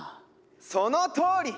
そのとおり！